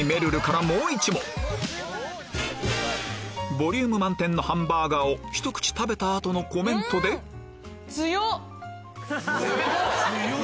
ボリューム満点のハンバーガーをひと口食べた後のコメントで強い！